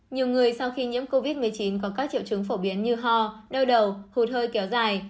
nhiều người sau khi nhiễm covid một mươi chín có các triệu chứng phổ biến như ho đau đầu hụt hơi kéo dài